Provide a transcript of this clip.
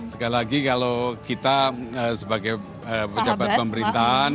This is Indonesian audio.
sekali lagi kalau kita sebagai pejabat pemerintahan